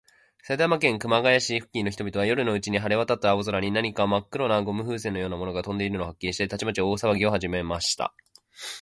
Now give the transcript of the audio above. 埼玉県熊谷市付近の人々は、夜のうちに晴れわたった青空に、何かまっ黒なゴム風船のようなものがとんでいるのを発見して、たちまち大さわぎをはじめました。